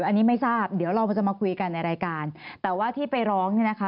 อันนี้ไม่ทราบเดี๋ยวเราจะมาคุยกันในรายการแต่ว่าที่ไปร้องเนี่ยนะคะ